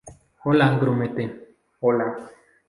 hola, grumete. hola.